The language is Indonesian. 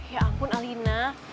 ya ampun alina